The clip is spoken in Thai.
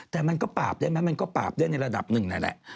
แต่มันก็ปราบได้ไหมมันก็ปราบได้ในระดับหนึ่งนั่นแหละ